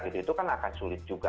itu kan akan sulit juga